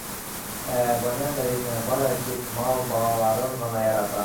Ә бына Мәҙинә бары тик мал балаларын ғына ярата.